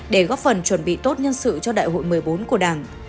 để góp phần chuẩn bị tốt nhân sự cho đại hội một mươi bốn của đảng